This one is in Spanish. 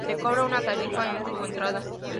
Se cobra una tarifa en su entrada.